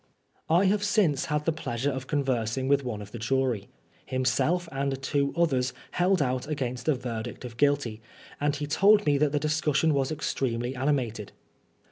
I have since had the pleasure of conversing with one of the jury. Himself and two others held out against a verdict of Ouilty, and he told me that the discussion was extremely animated.